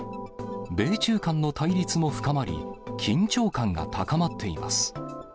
米中間の対立も深まり、緊張感が高まっています。